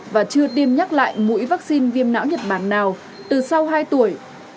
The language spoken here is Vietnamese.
và chưa tiêm nhắc lại mũi vaccine viêm não nhật bản nào từ sau hai tuổi